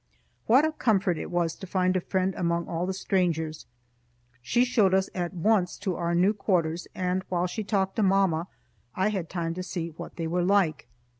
What a comfort it was to find a friend among all the strangers! She showed us at once to our new quarters, and while she talked to mamma I had time to see what they were like.